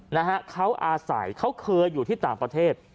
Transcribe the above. นะฮะเขาอาศัยเขาเคยอยู่ที่ต่างประเทศ